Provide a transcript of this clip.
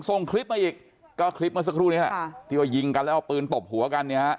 ส่งคลิปมาอีกก็คลิปมาสักครู่นี้แหละที่ว่ายิงกันแล้วเอาปืนตบหัวกัน